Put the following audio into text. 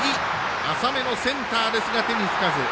浅めのセンターですが手につかず。